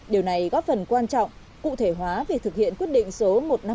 điều này góp phần quan trọng cụ thể hóa việc thực hiện quyết định số một trăm năm mươi